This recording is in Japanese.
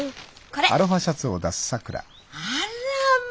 あらま。